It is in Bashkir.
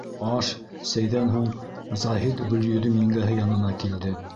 Аш, сәйҙән һуң Заһит Гөлйөҙөм еңгәһе янына килде.